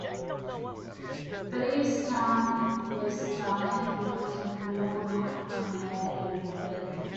Beattystown was started because of a mill built a man named Beatty.